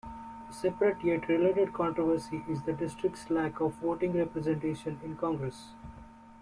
A separate yet related controversy is the District's lack of voting representation in Congress.